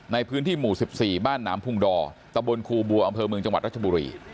ในพื้นที่หมู่๑๔บ้านหนามพุงดอร์ตะบนครูบัวอำเภอเมืองจังหวัดรัชบุรี